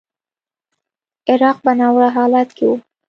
عراق په ناوړه حالت کې و.